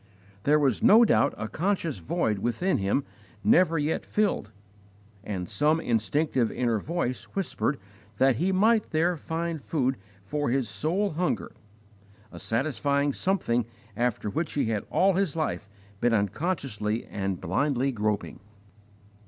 There was no doubt a conscious void within him never yet filled, and some instinctive inner voice whispered that he might there find food for his soul hunger a satisfying something after which he had all his life been unconsciously and blindly groping.